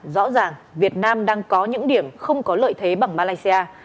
rõ ràng việt nam đang có những điểm không có lợi thế bằng malaysia